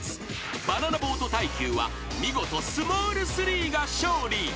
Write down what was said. ［バナナボート耐久は見事スモール３が勝利］